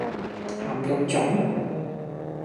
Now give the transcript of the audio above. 鹹肉粽